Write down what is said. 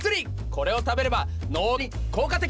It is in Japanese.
これを食べれば脳に効果的！